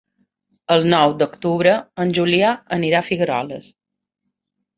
El nou d'octubre en Julià anirà a Figueroles.